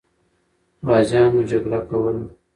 غازیان جګړه کوله.